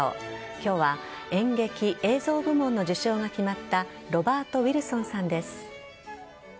今日は演劇・映像部門の受賞が決まったロバート・ウィルソンさんです。